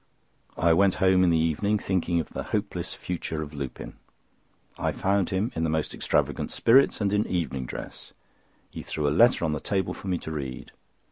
I went home in the evening, thinking of the hopeless future of Lupin. I found him in most extravagant spirits and in evening dress. He threw a letter on the table for me to read.